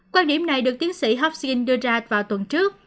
quan điểm này được tiến sĩ hopsin đưa ra vào tuần trước